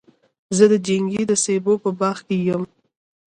زه د چنګۍ د سېبو په باغ کي یم.